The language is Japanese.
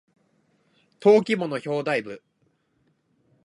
登記簿の表題部